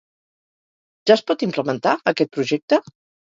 Ja es pot implementar aquest projecte?